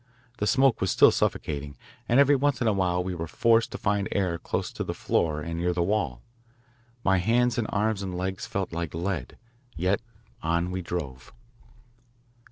The smoke was still suffocating, and every once in a while we were forced to find air close to the floor and near the wall. My hands and arms and legs felt like lead, yet on we drove.